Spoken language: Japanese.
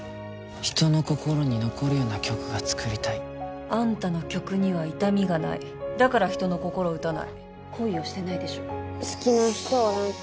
人の心に残るような曲が作りたいあんたの曲には痛みがないだから人の心を打たない恋をしてないでしょ好きな人おらんと？